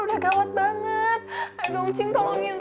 cik bangun cik